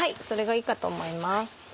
それがいいかと思います。